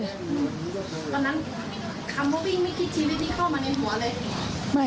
อืมตอนนั้นทำก็เป็นอย่างงี้ไม่คิดชีวิตที่เข้ามาในหัวเลย